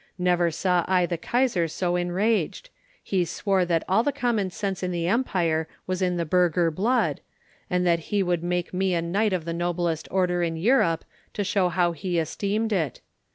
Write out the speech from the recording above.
Never saw I the Kaisar so enraged; he swore that all the common sense in the empire was in the burgher blood, and that he would make me a knight of the noblest order in Europe to show how he esteemed it.